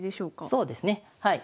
そうですねはい。